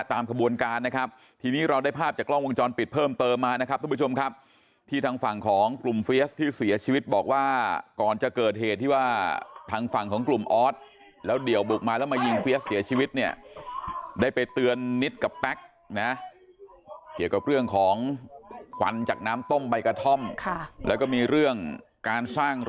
ตามขบวนการนะครับทีนี้เราได้ภาพจากกล้องวงจรปิดเพิ่มเติมมานะครับทุกผู้ชมครับที่ทางฝั่งของกลุ่มเฟียสที่เสียชีวิตบอกว่าก่อนจะเกิดเหตุที่ว่าทางฝั่งของกลุ่มออสแล้วเดี่ยวบุกมาแล้วมายิงเฟียสเสียชีวิตเนี่ยได้ไปเตือนนิดกับแป๊กนะเกี่ยวกับเรื่องของควันจากน้ำต้มใบกระท่อมแล้วก็มีเรื่องการสร้างร